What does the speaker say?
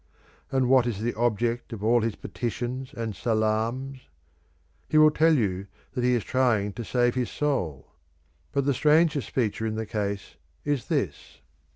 And what is the object of all his petitions and salaams? He will tell you that he is trying to save his soul. But the strangest feature in the case is this.